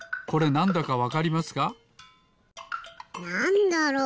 なんだろう？